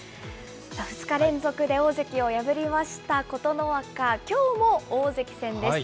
２日連続で大関を破りました琴ノ若、きょうも大関戦です。